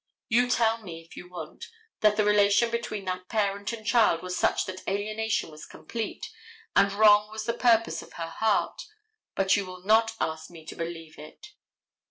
You may tell me, if you want, that the relation between that parent and child was such that alienation was complete, and wrong was the purpose of her heart, but you will not ask me to believe it.